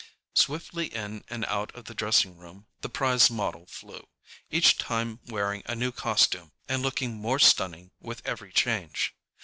Swiftly in and out of the dressing room the prize model flew, each time wearing a new costume and looking more stunning with every change.